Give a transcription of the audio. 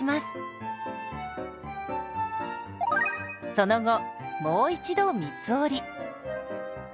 その後もう一度三つ折り。